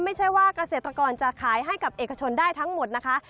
ไม่ใช่ว่าเกษตรกรจะขายให้กับเอกชนได้ทั้งหมดนะคะ